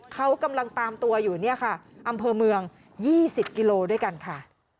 เขากำลังตามตัวอยู่เนี่ยค่ะอำเภอเมือง๒๐กิโลด้วยกันค่ะ